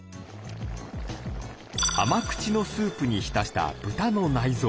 甘口のスープにひたした豚の内臓。